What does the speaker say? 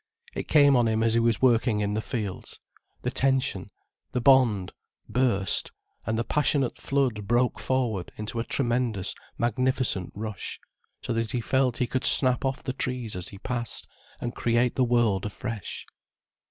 It came on him as he was working in the fields. The tension, the bond, burst, and the passionate flood broke forward into a tremendous, magnificent rush, so that he felt he could snap off the trees as he passed, and create the world afresh.